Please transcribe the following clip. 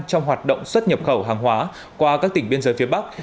trong hoạt động xuất nhập khẩu hàng hóa qua các tỉnh biên giới phía bắc